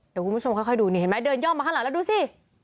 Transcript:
แต่คุณผู้ชมค่อยดูนี่เห็นไหมเดินย่องมาข้างหลังแล้วดูสิ